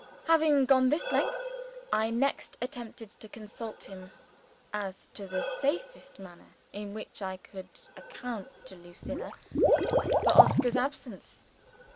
Having gone this length I next attempted to consult him as to the safest manner in which I could account to Lucilla for Oscar's absence.